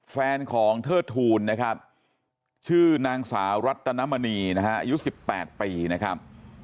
แฟนของเทิดทูลนะครับชื่อนางสาวรัตนมณีนะฮะอายุ๑๘ปีนะครับ